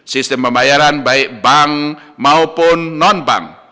sistem pembayaran baik bank maupun non bank